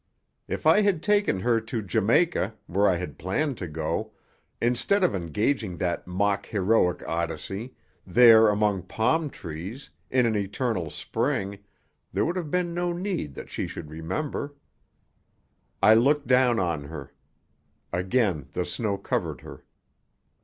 If I had taken her to Jamaica, where I had planned to go, instead of engaging that mock heroic odyssey there, among palm trees, in an eternal spring, there would have been no need that she should remember. I looked down on her. Again the snow covered her.